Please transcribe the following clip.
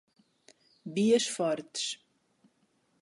Bias Fortes